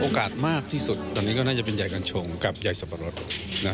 โอกาสมากที่สุดตอนนี้ก็น่าจะเป็นใหญ่กัญชงกับใหญ่สรรพรรดิ